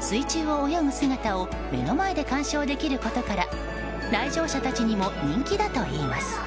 水中を泳ぐ姿を目の前で鑑賞できることから来場者たちにも人気だといいます。